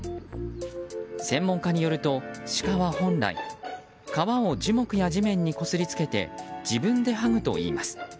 専門家によると、シカは本来皮を樹木や地面にこすりつけて自分ではぐといいます。